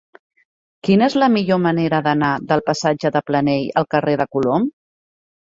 Quina és la millor manera d'anar del passatge de Planell al carrer de Colom?